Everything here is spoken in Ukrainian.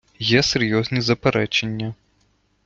Є серйозні заперечення.